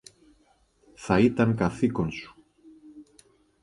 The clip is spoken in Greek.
Θα ήταν καθήκον σου